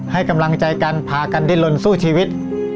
ให้กำลังใจกันพากันดิ้นลนสู้ชีวิต